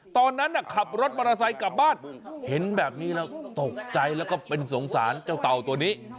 ตอนนั้นขับรถมอเตอร์ไซค์กลับบ้านเห็นแบบนี้แล้วตกใจแล้วก็เป็นสงสารเจ้าเต่าตัวนี้